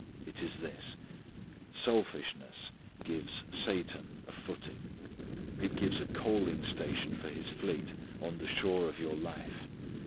It is this: selfishness gives Satan a footing. It gives a coaling station for his fleet on the shore of your life.